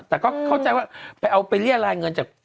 แต่ก็เข้าใจว่าไปเอาไปเรียรายเงินจาก